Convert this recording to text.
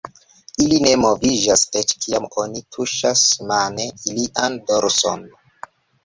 Ili ne moviĝas eĉ kiam oni tuŝas mane ilian dorson.